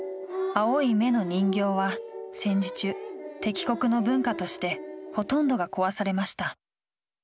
青い目の人形は戦時中、敵国の文化としてほとんどが壊されました。